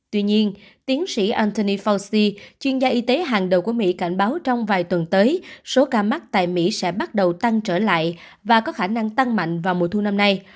tuy nhiên tiến sĩ antony fauci chuyên gia y tế hàng đầu của mỹ cảnh báo trong vài tuần tới số ca mắc tại mỹ sẽ bắt đầu tăng trở lại và có khả năng tăng mạnh vào mùa thu năm nay